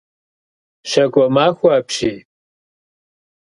Щакӏуэмахуэ апщий.